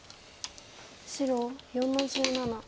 白４の十七。